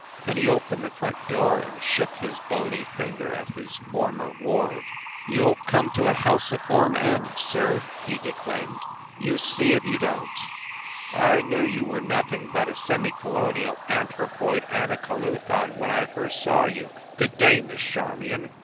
Then he opened the front door and shook his bony finger at his former ward. "You ll come to a helciform end, sir!" he de claimed; "you see if you don t! I knew you were nothing but a semi colonial anthropoid anacoluthon when I first saw you! Good day, Miss Charmion.